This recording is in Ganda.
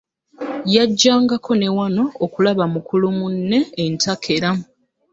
Yajjangako ne wano okulaba ku mukulu munne entakera.